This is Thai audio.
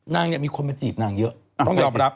นางเนี่ยมีคนมาจีบนางเยอะต้องยอมรับ